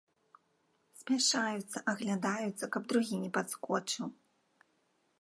Спяшаюцца, аглядаюцца, каб другі не падскочыў.